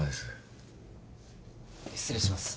失礼します。